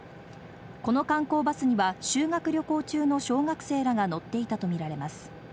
この観光バスには修学旅行中の小学生らが乗っていたとみられます。